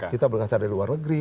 kita berasal dari luar negeri